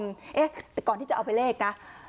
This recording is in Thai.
เตะก่อนที่จะเอาไปเลขนะ